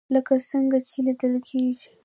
لکه څنګه چې ليدل کېږي